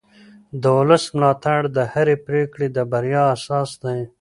د ولس ملاتړ د هرې پرېکړې د بریا اساس دی